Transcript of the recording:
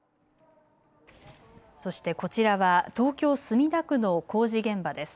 そしてこちらは東京墨田区の工事現場です。